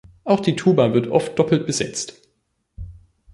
Auch die Tuba wird oft doppelt besetzt.